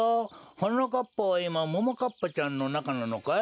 はなかっぱはいまももかっぱちゃんのなかなのかい？